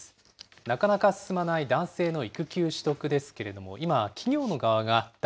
なかなか進まない男性の育休取得ですけれども、今、企業の側が男